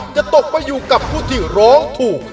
จะตกไปอยู่กับผู้ที่ร้องถูก